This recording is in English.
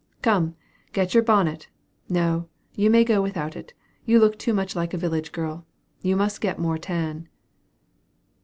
"Come, get your bonnet no; you may go without it. You look too much like a village girl. You must get more tan."